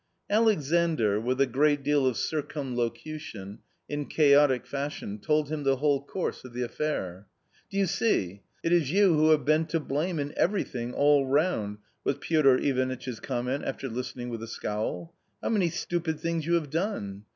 Alexandr, with a great deal of circumlocution, in chaotic fashion, told him the whole course of the affair. "Do you see? it is you who have been to blame in everything all round," was Piotr Ivanitch's comment after listeniqg with a scowl. " How many stupid things you have done